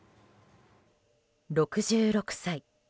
６６歳。